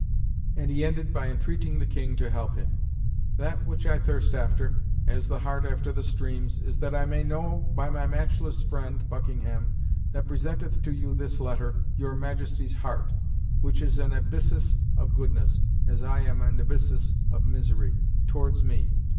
And he ended by entreating the King to help him: "That which I thirst after, as the hart after the streams, is that I may know by my matchless friend [Buckingham] that presenteth to you this letter, your Majesty's heart (which is an abyssus of goodness, as I am an abyssus of misery) towards me.